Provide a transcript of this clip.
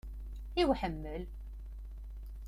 I uḥemmel?